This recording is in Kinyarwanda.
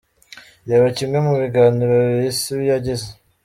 Reba kimwe mu biganiro Bisi yagize :.